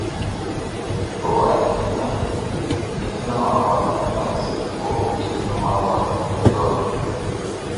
بۇ ئەركىننىڭ ئېتىنىڭ ئاۋازى ئەمەس ئۇ ئېتىنىڭ ئاۋازىنى بىلىدۇ.